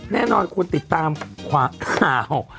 แน่นอนควรติดตามข่าว